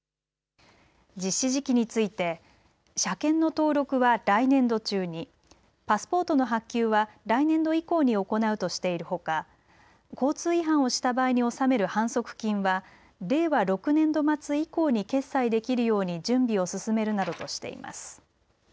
実施時期について車検の登録は来年度中に、パスポートの発給は来年度以降に行うとしているほか交通違反をした場合に納める反則金は令和６年度末以降に決済できるように準備を進めるなどとしています。